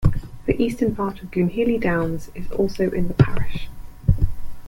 The eastern part of Goonhilly Downs is also in the parish.